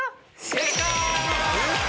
正解！